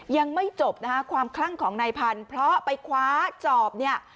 ยังไม่จบความคลั่งของนายพันธ์เพราะไปคว้าจอบ